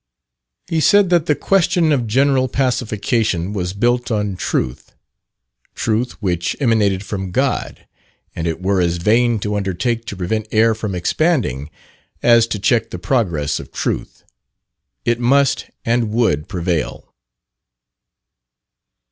He said that the question of general pacification was built on truth truth which emanated from God and it were as vain to undertake to prevent air from expanding as to check the progress of truth. It must and would prevail."